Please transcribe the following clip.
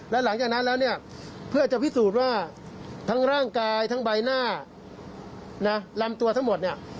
แล้วหลังจากนั้นแล้วเนี่ยเพื่อจะพิสูจน์ว่าทั้งร่างกายทั้งใบหน้านะลำตัวทั้งหมดเนี่ย